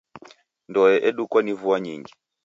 Ndoe edukwa ni vua nyingi.